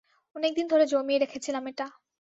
অনেকদিন ধরে জমিয়ে রেখেছিলাম এটা।